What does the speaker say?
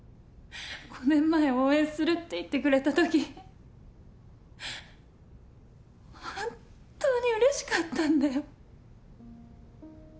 ５年前「応援する」って言ってくれた時本当にうれしかったんだよ。